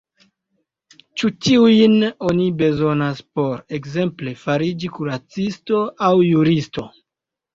Ĉu tiujn oni bezonas por, ekzemple, fariĝi kuracisto aŭ juristo?